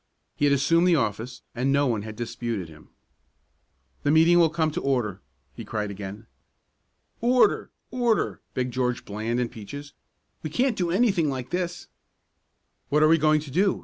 He had assumed the office, and no one had disputed him. "The meeting will come to order!" he cried again. "Order! Order!" begged George Bland and Peaches. "We can't do anything like this." "What are we going to do?"